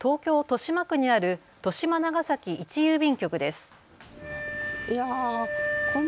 豊島区にある豊島長崎一郵便局です。